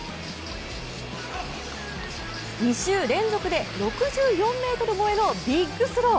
２週連続で６４ｍ超えのビッグスロー。